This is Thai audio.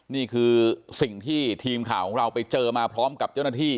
นี่คือสิ่งที่ทีมข่าวของเราไปเจอมาพร้อมกับเจ้าหน้าที่